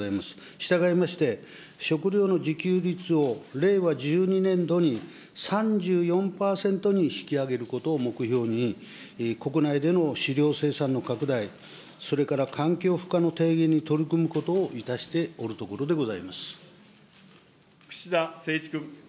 したがいまして、食料の自給率を、令和１２年度に３４％に引き上げることを目標に、国内での飼料生産の拡大、それから環境負荷の低減に取り組むことをいたしておるところでご串田誠一君。